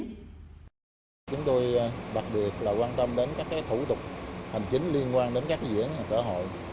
chúng tôi đặc biệt quan tâm đến các thủ tục hành chính liên quan đến các dĩa nhà xã hội